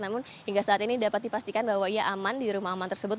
namun hingga saat ini dapat dipastikan bahwa ia aman di rumah aman tersebut